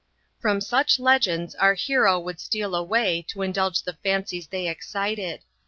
From such legends our hero would steal away to indulge the fancies they excited.